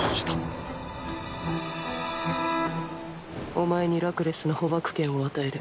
お前にラクレスの捕縛権を与える。